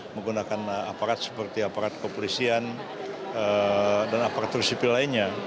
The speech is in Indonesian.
menggunakan aparat seperti aparat kepolisian dan aparatur sipil lainnya